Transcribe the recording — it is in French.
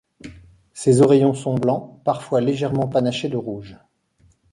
Ses oreillons sont blancs, parfois légèrement panachés de rouge.